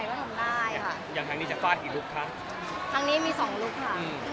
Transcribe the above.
อย่างทางนี้จะฟาดอีกลุ๊กค่ะทางนี้มีสองลุ๊กค่ะอืม